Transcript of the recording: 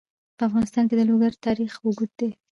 په افغانستان کې د لوگر تاریخ اوږد دی.